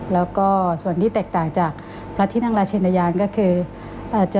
แล้วก็ส่วนที่แตกต่างจากพระที่นั่งราชินยานก็คือ